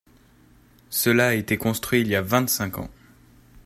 Cela a été construit il y a vingt-cinq ans.